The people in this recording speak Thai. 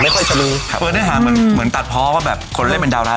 แต่วันที่นี่ก็ใช้เหมือนตัดพ้อคนเลี้ยงเป็นดาวร้าย